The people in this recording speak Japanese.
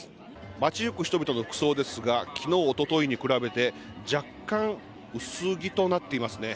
街行く人々の服装ですが、きのう、おとといに比べて、若干、薄着となっていますね。